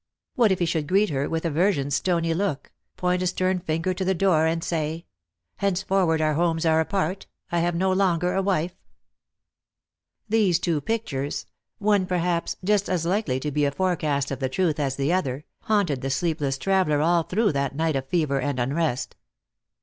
What if he should greet her with aversion's stony look, point a stern finger to the door, and say, ' Henceforward our homes are apart — I have no longer a wife ?" These two pictures — one, perhaps, just as likely to be a fore 336 Lost for Love. cast of the truth as the other— haunted the sleepless traveller all through that night of fever and unrest.